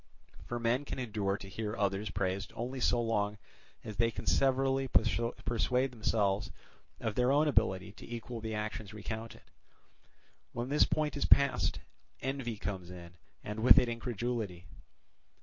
For men can endure to hear others praised only so long as they can severally persuade themselves of their own ability to equal the actions recounted: when this point is passed, envy comes in and with it incredulity.